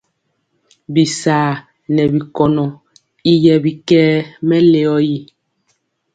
Bisar nɛ bi konɔ y yɛ bikɛɛ mɛleo ri.